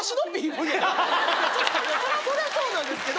そりゃそうなんですけど。